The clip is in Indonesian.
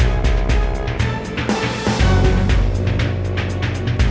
mlih selawai sophia itu dari sana